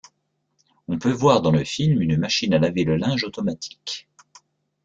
On peut voir dans le film une machine à laver le linge automatique.